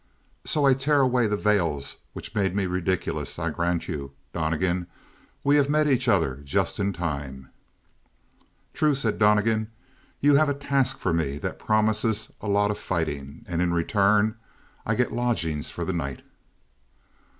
"So I tear away the veils which made me ridiculous, I grant you. Donnegan, we have met each other just in time." "True," said Donnegan, "you have a task for me that promises a lot of fighting; and in return I get lodgings for the night."